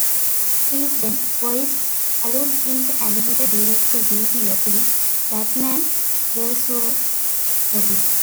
He then voiced Talon in the animated direct-to-video film "Batman versus Robin".